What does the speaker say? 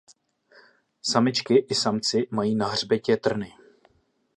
Samičky i samci mají na hřbetě trny.